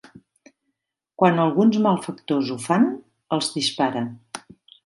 Quan alguns malfactors ho fan, els dispara.